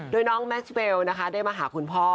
โดยน้องแมชเบลนะคะได้มาหาคุณพ่อ